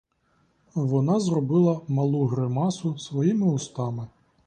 Вона зробила малу гримасу своїми устами.